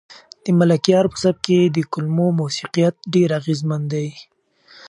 د ملکیار په سبک کې د کلمو موسیقیت ډېر اغېزمن دی.